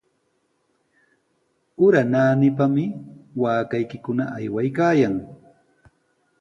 Ura naanipami waakaykikuna aywaykaayan.